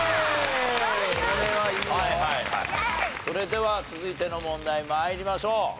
それでは続いての問題参りましょう。